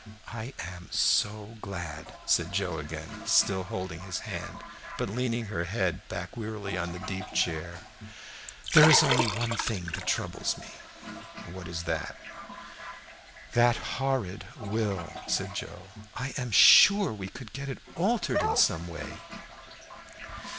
"I am so glad," said Joe again, still holding his hand, but leaning her head back wearily in the deep chair. "There is only one thing that troubles me." "What is that?" "That horrid will," said Joe. "I am sure we could get it altered in some way."